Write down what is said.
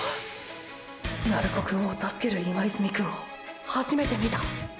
鳴子くんを助ける今泉くんを初めて見た。